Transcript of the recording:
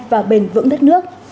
và bền vững đất nước